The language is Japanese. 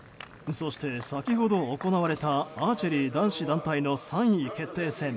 そして、先ほど行われたアーチェリー男子団体の３位決定戦。